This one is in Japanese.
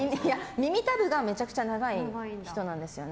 耳たぶがめちゃくちゃ長い人なんですよね